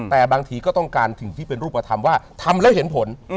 แต่บางทีก็ต้องการสิ่งที่เป็นรูปธรรมว่าทำแล้วเห็นผล